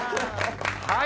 はい。